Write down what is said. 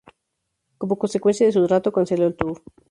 Como consecuencia de su trato, canceló el tour.